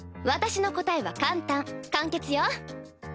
私の答えは簡単簡潔よ。